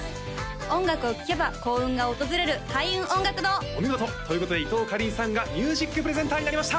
音楽を聴けば幸運が訪れる開運音楽堂お見事！ということで伊藤かりんさんがＭｕｓｉｃＰｒｅｓｅｎｔｅｒになりました！